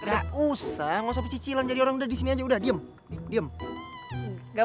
gak usah ngosot cicilan jadi orang